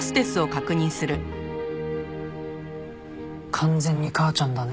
完全に母ちゃんだね。